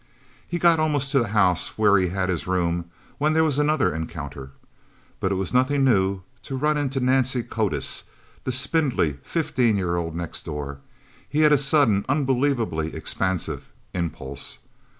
He got almost to the house where he had his room, when there was another encounter. But it was nothing new to run into Nancy Codiss, the spindly fifteen year old next door. He had a sudden, unbelievably expansive impulse.